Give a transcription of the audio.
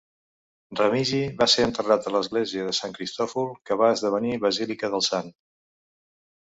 Remigi va ser enterrat a l'església de Sant Cristòfol, que va esdevenir basílica del sant.